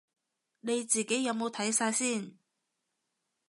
你自己有冇睇晒先